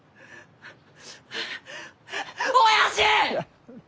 おやじ！